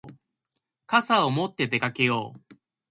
傘を持って出かけよう。